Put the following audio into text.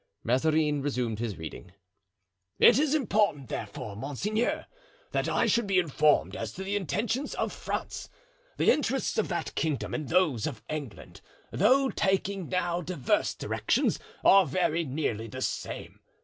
Mazarin resumed his reading: "It is important, therefore, monseigneur, that I should be informed as to the intentions of France. The interests of that kingdom and those of England, though taking now diverse directions, are very nearly the same.